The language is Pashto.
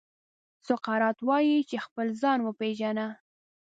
سقراط وايي چې خپل ځان وپېژنه.